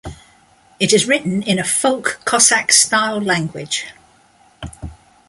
It is written in a folk Cossack-style language.